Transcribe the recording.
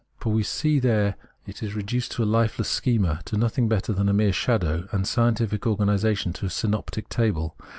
For we see it there reduced to a hfeless schema, to nothing better than a mere shadow, and scientific organisation to a synoptic table.